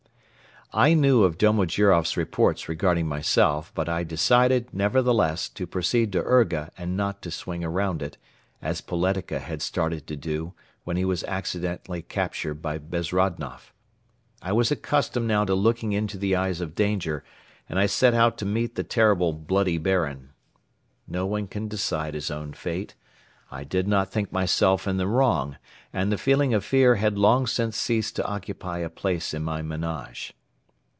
I knew of Domojiroff's reports regarding myself but I decided, nevertheless, to proceed to Urga and not to swing round it, as Poletika had started to do when he was accidentally captured by Bezrodnoff. I was accustomed now to looking into the eyes of danger and I set out to meet the terrible "bloody Baron." No one can decide his own fate. I did not think myself in the wrong and the feeling of fear had long since ceased to occupy a place in my menage.